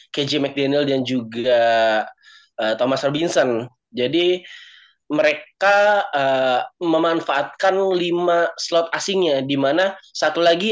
keji mcdhaniel dan juga thomas robinson jadi mereka memanfaatkan lima slot asingnya dimana satu lagi